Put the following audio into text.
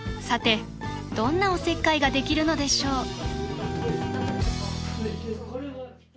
さてどんなおせっかいができるのでしょう？］